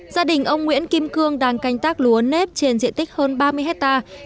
gia đình ông nguyễn kim cương đang canh tác lúa nếp trên diện tích hơn ba mươi hectare